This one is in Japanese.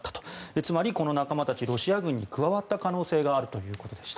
つまり、この仲間たちはロシア軍に加わった可能性があるということでした。